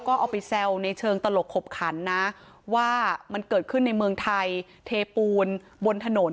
และก็มีคำชี้แจ้งออกมาในเรื่องนี้ด้วย